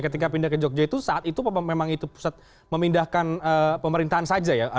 ketika pindah ke jogja itu saat itu memang itu pusat memindahkan pemerintahan saja ya